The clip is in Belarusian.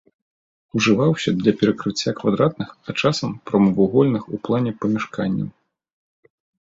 Ужываўся для перакрыцця квадратных, а часам прамавугольных у плане памяшканняў.